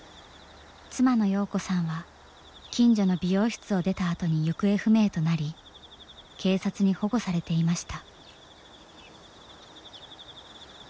妻の洋子さんは近所の美容室を出たあとに行方不明となり警察に保護されていました。